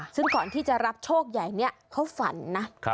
ซึ่งก่อนที่จะรับโชคใหญ่นี้เขาฝันนะ